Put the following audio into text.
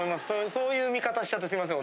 そういう見方しちゃってすいません。